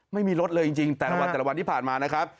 ไม่มีลดเลยจริงแต่ละวันที่ผ่านมานะครับ